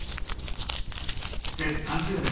苦節３０年。